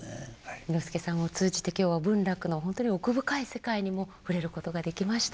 簑助さんを通じて今日は文楽の本当に奥深い世界にも触れることができました。